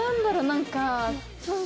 何か。